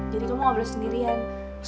jadi kamu gak boleh sendirian